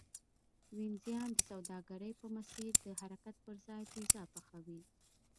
وینزیان د سوداګرۍ په مسیر د حرکت پرځای پیزا پخوي